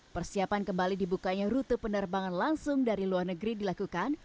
persiapan kembali dibukanya rute penerbangan langsung dari luar negeri dilakukan